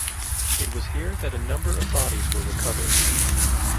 It was here that a number of bodies were recovered.